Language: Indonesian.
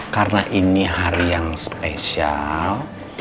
karena ini hari yang spesial